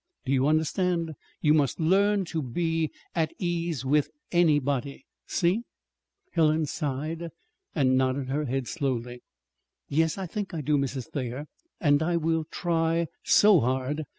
Do you understand? You must learn to be at ease with anybody. See?" Helen sighed and nodded her head slowly. "Yes, I think I do, Mrs. Thayer; and I will try so hard!"